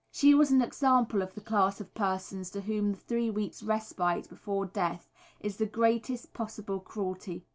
She was an example of the class of persons to whom the three weeks' respite before death is the greatest possible cruelty.